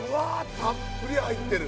たっぷり入ってる。